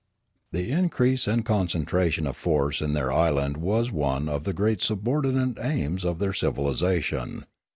The increase and concentration of force in their island was one of the great subordinate aims of their civilisa tion.